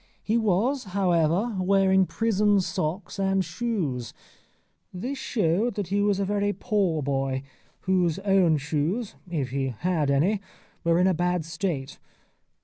He was, however, wearing prison socks and shoes. This showed that he was a very poor boy, whose own shoes, if he had any, were in a bad state.